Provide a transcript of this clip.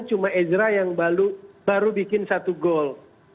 cuma ezra yang baru bikin satu gol